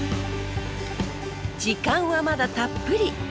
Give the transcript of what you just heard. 時間はまだたっぷり！